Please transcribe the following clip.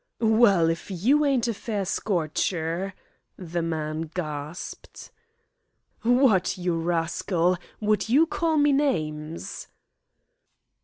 "Well, if you ain't a fair scorcher," the man gasped. "What, you rascal, would you call me names?"